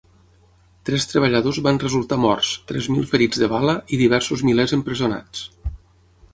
Tres treballadors van resultar morts, tres mil ferits de bala, i diversos milers empresonats.